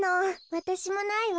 わたしもないわ。